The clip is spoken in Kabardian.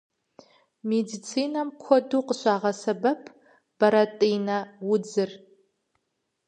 Медицинэм куэду къыщагъэсэбэп бэрэтӏинэ удзыр.